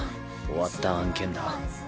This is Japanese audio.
終わった案件だ。